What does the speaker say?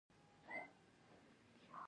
زه په ګدامدارۍ کې د توکو ځای مشخصوم.